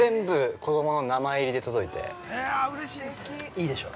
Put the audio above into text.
◆いいでしょう。